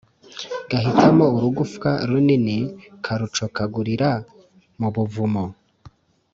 Gahitamo urugufwa runini karukocagurira mu buvumo